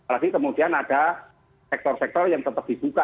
lagi kemudian ada sektor sektor yang tetap dibuka